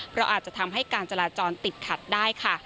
เพราะอาจจะทำให้การจราจรติดขัดได้ค่ะ